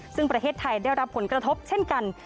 ซึ่งประเทศไทยได้รับผลกระทบเช่นกัน